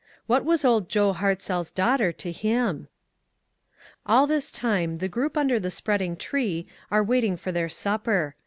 What was Old Joe Hartzell's daughter to him ? All this time the group under the spread ing tree are waiting for their supper.